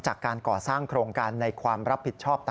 จากการก่อสร้างโครงการในความรับผิดชอบ